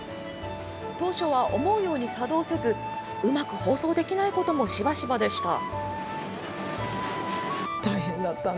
当初は思うように作動せずうまく包装できないこともしばしばでした。